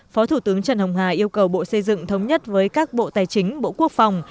phó thủ tướng trần hồng hà yêu cầu bộ xây dựng thống nhất với các bộ tài chính bộ quốc phòng